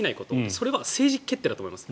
それは政治決定だと思います。